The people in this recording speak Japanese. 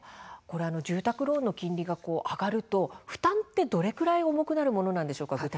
住宅ローンの金利が上がると負担ってどれくらい重くなるものなんでしょうか。